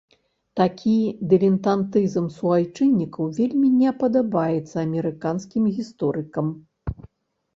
Такі дылетантызм суайчыннікаў вельмі не падабаецца амерыканскім гісторыкам.